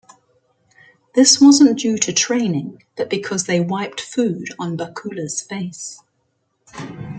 This wasn't due to training, but because they wiped food on Bakula's face.